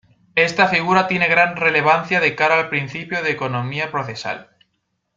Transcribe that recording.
Esta figura tiene gran relevancia de cara al principio de economía procesal.